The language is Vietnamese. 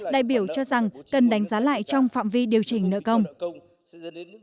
đại biểu cho rằng cần đánh giá lại trong phạm vi điều chỉnh nợ công